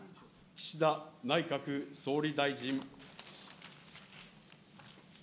岸田内閣総理大臣。